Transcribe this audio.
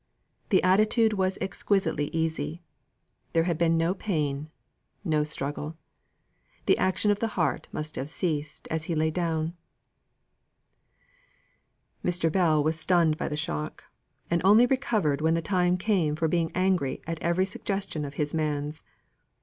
The attitude was exquisitely easy; there had been no pain no struggle. The action of the heart must have ceased as he lay down. Mr. Bell was stunned by the shock; and only recovered when the time came for being angry at every suggestion of his man's.